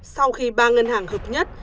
sau khi ba ngân hàng hợp nhất